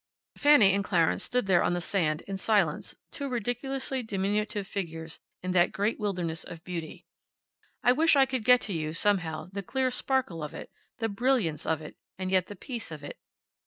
Fanny and Clarence stood there on the sand, in silence, two ridiculously diminutive figures in that great wilderness of beauty. I wish I could get to you, somehow, the clear sparkle of it, the brilliance of it, and yet the peace of it.